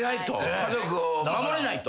家族を守れないと。